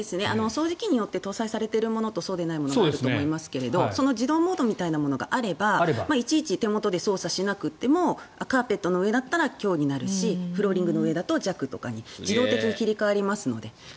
掃除機によって搭載されているものとそうでないものがありますがその自動モードみたいなものがあればいちいち、手元で操作しなくてもカーペットの上だったら「強」になるしフローリングの上だと「弱」とかに自動的に切り替わるので。